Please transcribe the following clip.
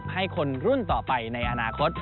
ให้คนรุ่นต่อไปในอนาคต